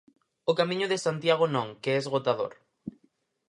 O Camiño de Santiago non, que é esgotador.